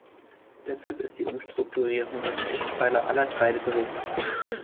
Deshalb ist die Umstrukturierung ein Eckpfeiler aller drei Berichte.